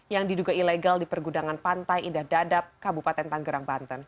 yang diduga ilegal di pergudangan pantai indah dadap kabupaten tanggerang banten